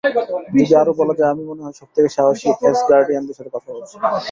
যদি আরো বলা যায়, আমি মনে হয় সব থেকে সাহসী অ্যাসগার্ডিয়ানদের সাথে কথা বলছি।